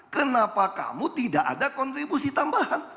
kenapa kamu tidak ada kontribusi tambahan